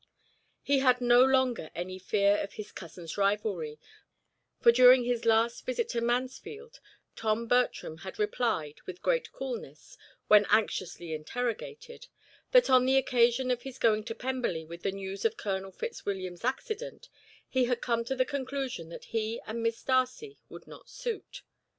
He had no longer any fear of his cousin's rivalry, for during his last visit to Mansfield Tom Bertram had replied, with great coolness, when anxiously interrogated, that on the occasion of his going to Pemberley with the news of Colonel Fitzwilliam's accident, he had come to the conclusion that he and Miss Darcy would not suit.